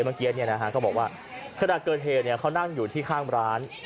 เมื่อกี้เนี่ยนะคะก็บอกว่าเพราะว่าเกิดเหตุเนี่ยเขานั่งอยู่ที่ข้างร้าน